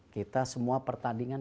kita semua pertandingan